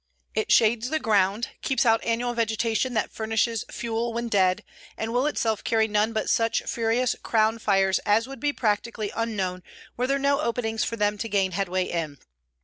It shades the ground, keeps out annual vegetation that furnishes fuel when dead, and will itself carry none but such furious crown fires as would be practically unknown were there no openings for them to gain headway in.